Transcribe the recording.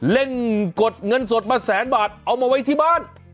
เล่นกดเงินสดมาแสนบาทเอามาไว้ที่บ้าน